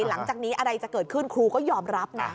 หลังจากนี้อะไรจะเกิดขึ้นครูก็ยอมรับนะ